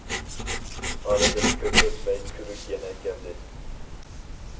ئارىدىن كۆپ ئۆتمەي كۈرۈك يەنە كەلدى.